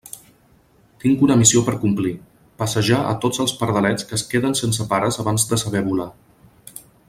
Tinc una missió per a complir: passejar a tots els pardalets que es queden sense pares abans de saber volar.